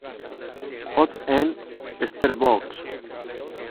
Joost en 's-Hertogenbosch.